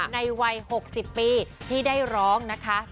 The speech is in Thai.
ในวัย๖๐ปีที่ได้ร้องนะคะ